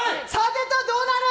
どうなる？